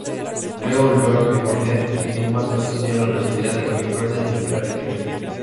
Luego se volvió a California y Dumas asistió la Universidad de California en Berkeley.